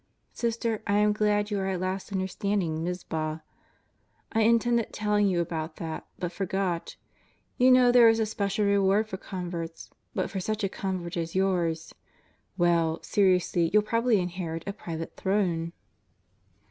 Sister, I am glad you are at last understanding Mizpak. I intended telling you about that, but forget. ... You know there is a special reward for converts, but for such a convert as yours! Well, seriously youTl probably inherit a private Throne.